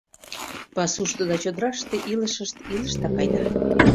Пасушто да чодыраште илышышт илыштак айда.